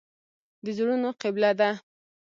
د زړونو قبله ده.